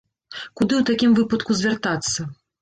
Куды ў такім выпадку звяртацца?